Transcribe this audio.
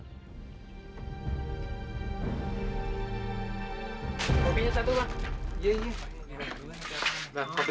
kopinya satu pak